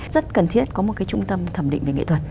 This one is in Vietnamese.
rất cần thiết có một cái trung tâm thẩm định về nghệ thuật